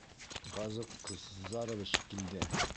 Хаз... ыҡ!... зарович килде!